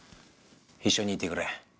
一緒にいてくれ。